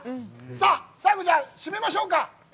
さあ、最後に締めましょうか。